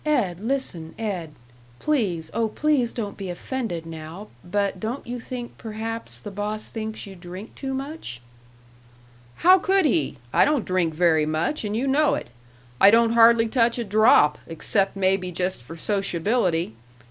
"Ed listen, Ed. Please, oh, please don't be offended now; but don't you think perhaps the boss thinks you drink too much?" "How could he? I don't drink very much, and you know it. I don't hardly touch a drop, except maybe just for sociability.